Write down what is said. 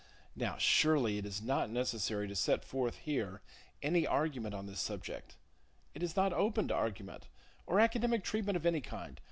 Now, surely it is not necessary to set forth here any argument on this subject. It is not open to argument, or academic treatment of any kind.